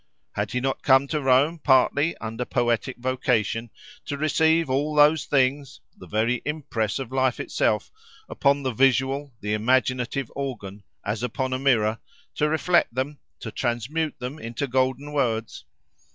Had he not come to Rome partly under poetic vocation, to receive all those things, the very impress of life itself, upon the visual, the imaginative, organ, as upon a mirror; to reflect them; to transmute them into golden words?